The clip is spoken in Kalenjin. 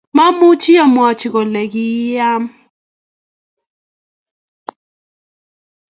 Mamuuch amwachi kole kiiman